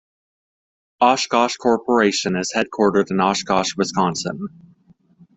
Oshkosh Corporation is headquartered in Oshkosh, Wisconsin.